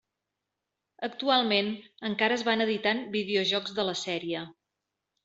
Actualment, encara es van editant videojocs de la sèrie.